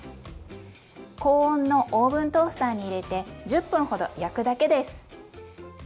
高温のオーブントースターに入れて１０分ほど焼くだけです。